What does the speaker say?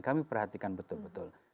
kami perhatikan betul betul